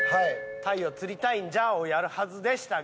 「鯛を釣りたいんじゃ！！」をやるはずでしたが。